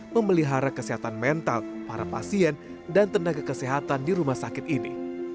memelihara kesehatan mental para pasien dan tenaga kesehatan di rumah sakit ini